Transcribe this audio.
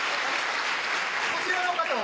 こちらの方は？